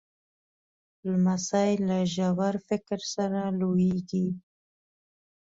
لمسی له ژور فکر سره لویېږي.